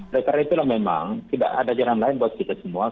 dan karena itulah memang tidak ada jalan lain buat kita semua